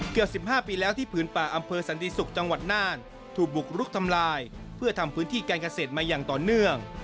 เกือบ๑๕ปีแล้วที่ผืนป่าอำเภอสันติศุกร์จังหวัดน่านถูกบุกรุกทำลายเพื่อทำพื้นที่การเกษตรมาอย่างต่อเนื่อง